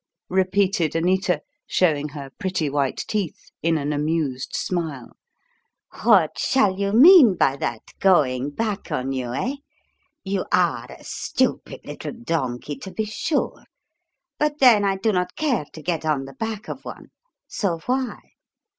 repeated Anita, showing her pretty white teeth in an amused smile. "What shall you mean by that 'going back on you' eh? You are a stupid little donkey, to be sure. But then I do not care to get on the back of one so why?"